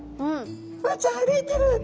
「ボウちゃん歩いてる！」